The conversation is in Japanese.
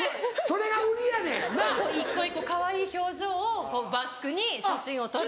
そう一個一個かわいい表情をバックに写真を撮る。